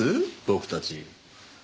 僕たち。